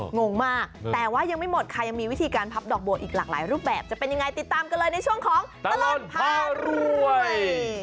งงมากแต่ว่ายังไม่หมดค่ะยังมีวิธีการพับดอกบัวอีกหลากหลายรูปแบบจะเป็นยังไงติดตามกันเลยในช่วงของตลอดพารวย